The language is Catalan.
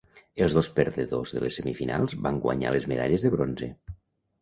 Els dos perdedors de les semifinals van guanyar les medalles de bronze.